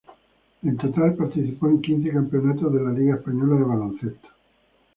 En total, participó en quince campeonatos de la Liga española de baloncesto.